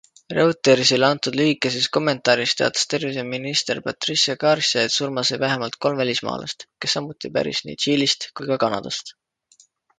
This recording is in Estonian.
Reutersile antud lühikeses kommentaaris teatas terviseminister Patricia Garcia, et surma sai vähemalt kolm välismaalast, kes samuti pärit nii Tšiilist kui ka Kanadast.